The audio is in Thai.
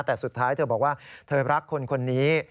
แต่สุดท้ายเธอบอกว่าเธอรักคนนี้